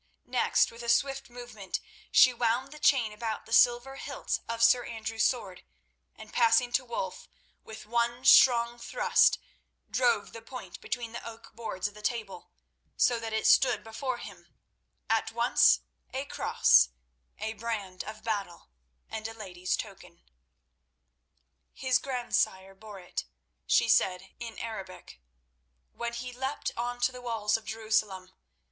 Next, with a swift movement, she wound the chain about the silver hilt of Sir Andrew's sword, and passing to Wulf, with one strong thrust, drove the point between the oak boards of the table, so that it stood before him—at once a cross, a brand of battle, and a lady's token. "His grandsire bore it," she said in Arabic, "when he leapt on to the walls of Jerusalem.